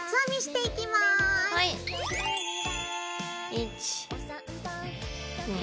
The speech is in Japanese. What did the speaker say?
１２。